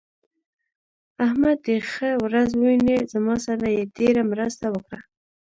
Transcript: احمد دې ښه ورځ وويني؛ زما سره يې ډېره مرسته وکړه.